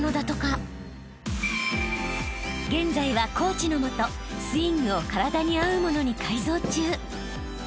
［現在はコーチの下スイングを体に合うものに改造中］